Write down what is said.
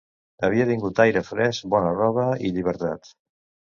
Havia tingut aire fresc, bona roba i llibertat.